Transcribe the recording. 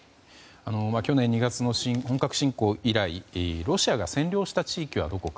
去年２月の本格侵攻以来ロシアが占領した地域はどこか。